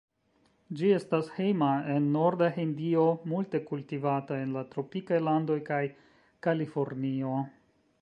Ĝi estas hejma en Norda Hindio, multe kultivata en la tropikaj landoj kaj Kalifornio.